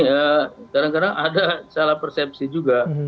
ya kadang kadang ada salah persepsi juga